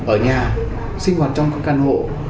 ở nhà sinh hoạt trong các căn hộ